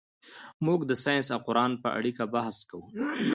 موږ د ساینس او قرآن په اړیکه بحث کوو.